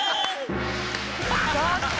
ちょっと！